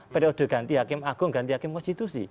periode ganti hakim agung ganti hakim konstitusi